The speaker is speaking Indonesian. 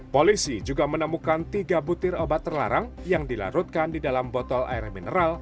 polisi juga menemukan tiga butir obat terlarang yang dilarutkan di dalam botol air mineral